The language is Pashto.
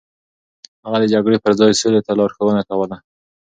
هغه د جګړې پر ځای سولې ته لارښوونه کوله.